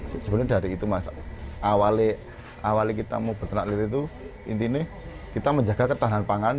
sebenarnya dari itu mas awal kita mau beternak lirik itu intinya kita menjaga ketahanan pangan